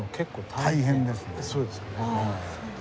大変ですね。